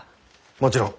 もちろん。